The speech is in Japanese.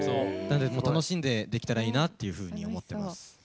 楽しんでできたらいいなっていうふうに思ってます。